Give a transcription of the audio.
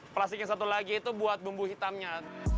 plastik yang satu lagi itu buat bumbu hitamnya